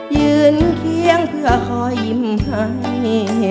ยืนเคียงเพื่อคอยยิ้มให้